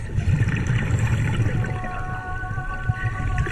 !چي د اُمید شمه مي کوچ له شبستانه سوله!